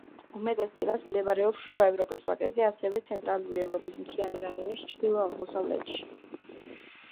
უმეტესწილად მდებარეობს შუა ევროპის ვაკეზე, ასევე ცენტრალური ევროპის მთიანი რაიონის ჩრდილო-აღმოსავლეთში.